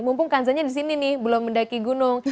mumpung kanzanya disini nih belum mendaki gunung